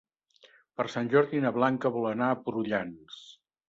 Per Sant Jordi na Blanca vol anar a Prullans.